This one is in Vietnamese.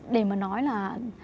để mà nói là